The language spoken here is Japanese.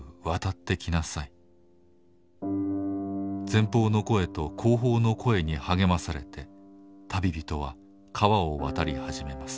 前方の声と後方の声に励まされて旅人は河を渡り始めます。